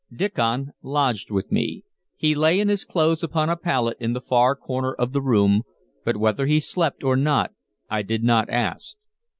Diccon lodged with me; he lay in his clothes upon a pallet in the far corner of the room, but whether he slept or not I did not ask.